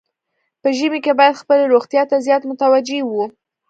په ژمي کې باید خپلې روغتیا ته زیات متوجه وو.